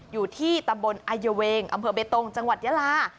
อยู่ที่ตำบลอายเวงอำเภอเบตงจังหวัดยาลา